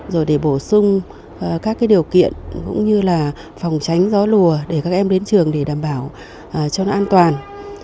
rồi để bổ sung các điều kiện cũng như là phòng tránh gió lùa để các em đến trường để đảm bảo cho nó an toàn